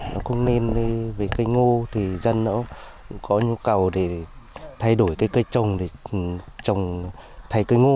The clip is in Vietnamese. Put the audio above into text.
nó không nên đi về cây ngô thì dân nó cũng có nhu cầu để thay đổi cây trồng để trồng thay cây ngô